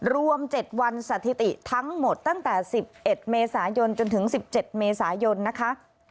รวม๗วันสถิติทั้งหมดตั้งแต่๑๑เมษายนจนถึง๑๗เมษายนนะคะ